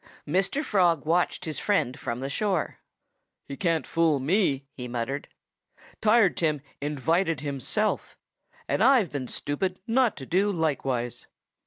Mr. Frog watched his friend from the shore. "He can't fool me," he muttered. "Tired Tim invited himself. And I've been stupid not to do likewise."